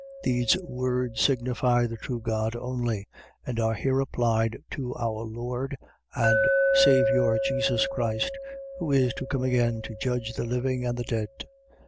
. .These words signify the true God only, and are here applied to our Lord and Saviour Jesus Christ, who is to come again to judge the living and the dead.